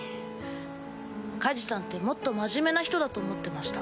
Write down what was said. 加持さんってもっと真面目な人だと思ってました。